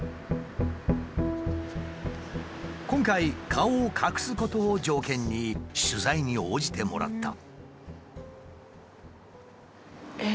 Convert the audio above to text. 今回顔を隠すことを条件に取材に応じてもらった。